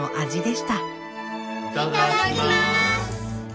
いただきます！